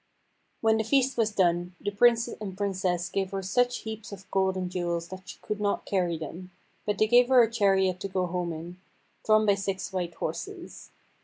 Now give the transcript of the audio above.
When the feast was done, the Prince and Princess gave her such heaps of gold and jewels that she could not carry them, but they gave her a chariot to go home in, drawn by six white horses.